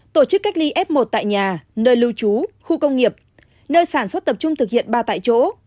tổ chức cách ly f một tại nhà nơi lưu trú khu công nghiệp nơi sản xuất tập trung thực hiện ba tại chỗ